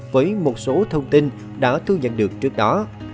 với một số thông tin đã thu nhận được trước đó